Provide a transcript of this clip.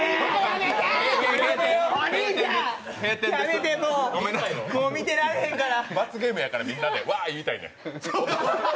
お兄ちゃん、やめてもう見てられないから罰ゲームやから、みんなでわー、言いたいねん。